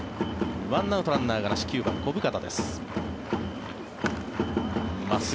１アウト、ランナーがなし９番、小深田です。